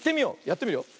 やってみるよ。